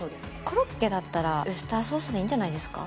コロッケだったらウスターソースでいいんじゃないですか？